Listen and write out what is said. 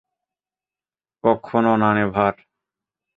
কক্ষনো না, নেভার।